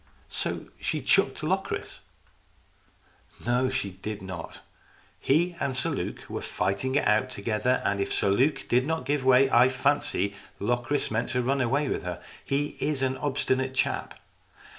" So she chucked Locris ?" "No. She did not. He and Sir Luke were fighting it out together, and if Sir Luke did not give way, I fancy Locris meant to run away with her. He is an obstinate chap.